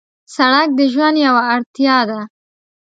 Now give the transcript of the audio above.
سړک د ژوند یو اړتیا ده.